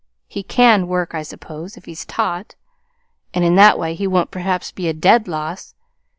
He can work, I suppose, if he's taught, and in that way he won't perhaps be a dead loss.